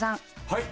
はい。